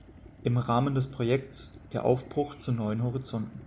Im Rahmen des Projekts „Der Aufbruch zu neuen Horizonten.